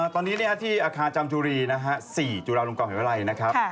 ตอนนี้ที่อาคารจัมจุรี๔จุฬาลงกรมหาวิทยาลัยนะครับ